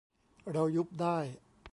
เรา ยุบได้